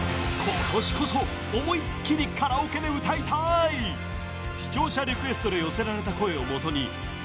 今年こそ思いっきりカラオケで歌いたい視聴者リクエストで寄せられた声をもとにＵＴＡＧＥ！